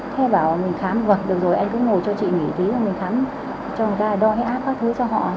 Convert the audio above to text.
thế bảo mình khám vật được rồi anh cứ ngồi cho chị nghỉ tí mình khám cho người ta đo cái áp các thứ cho họ